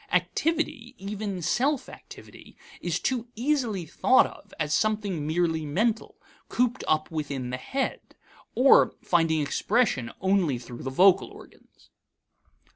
Activity, even self activity, is too easily thought of as something merely mental, cooped up within the head, or finding expression only through the vocal organs.